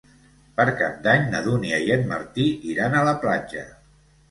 Per Cap d'Any na Dúnia i en Martí iran a la platja.